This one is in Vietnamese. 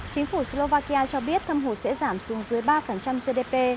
chính phủ slovakia cho biết thâm hụt sẽ giảm xuống dưới ba gdp